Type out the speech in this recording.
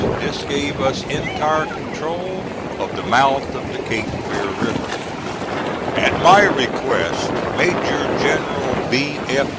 This gave us entire control of the mouth of the Cape Fear River. At my request, Mayor General B. F.